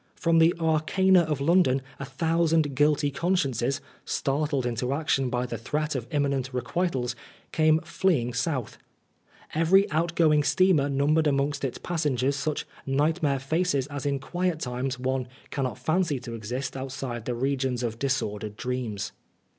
From the arcana of London a thousand guilty consciences, startled into action by the threat of imminent requitals, came fleeing South. Every outgoing steamer numbered 127 Oscar Wilde amongst its passengers such nightmare faces as in quiet times one cannot fancy to exist outside the regions of disordered dreams.